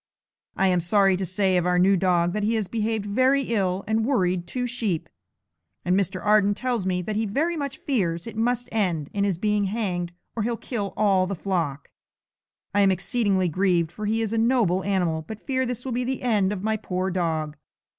I am sorry to say of our new dog, that he has behaved very ill and worried two sheep, and Mr. Arden tells me that he very much fears it must end in his being hanged or he'll kill all the flock. I am exceedingly grieved, for he is a noble animal, but fear this will be the end of my poor dog.